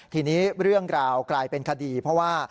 ทีนี้เรื่องราวกลายเป็นคดีเพราะว่า